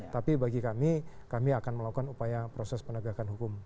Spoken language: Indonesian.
tapi bagi kami kami akan melakukan upaya proses penegakan hukum